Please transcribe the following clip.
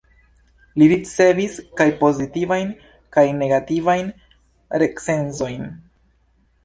Ĝi ricevis kaj pozitivajn kaj negativajn recenzojn.